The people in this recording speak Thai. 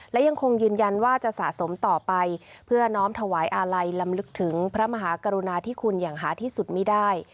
และยังคงยืนยันว่าจะสะสมต่อไปเพื่อน้อมถวายอาลัยลำลึกถึงพระมหากรุณาที่คุณอย่างหาที่สุดไม่ได้